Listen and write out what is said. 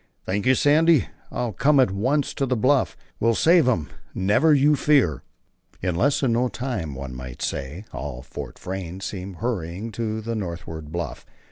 "Thank you, Sandy. I'll come at once to the bluff. We'll save him. Never you fear." In less than no time, one might say, all Fort Frayne seemed hurrying to the northward bluff.